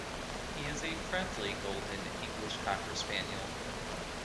He is a friendly golden English Cocker Spaniel.